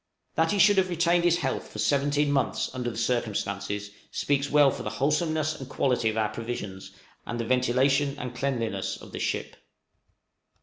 That he should have retained his health for seventeen months, under the circumstances, speaks well for the wholesomeness and quality of our provisions, and the ventilation and cleanliness of the ship.